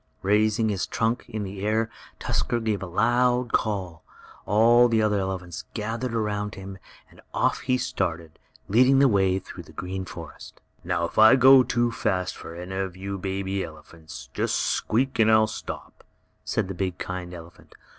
Raising his trunk in the air Tusker gave a loud call. All the other elephants gathered around him, and off he started, leading the way through the green forest. "Now if I go too fast for any of you baby elephants, just squeak and I'll stop," said the big, kind elephant.